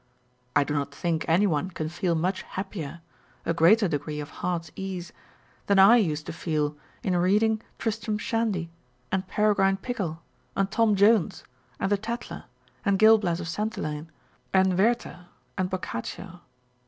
I do not think any one can feel much happier â€" a greater degree of heart's ease â€" than I used to feel in reading Tristram Shandy, and Peregrine Pickle, and Tom Jones, and the Tatler, and Gil Bias of Santillane, and Werter, and Boccaccio.